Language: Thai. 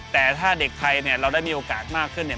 แต่ถ้าเด็กไทยเนี่ยเราได้มีโอกาสมากขึ้นเนี่ย